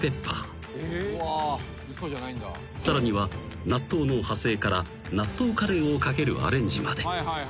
［さらには納豆の派生から納豆カレーをかけるアレンジまで］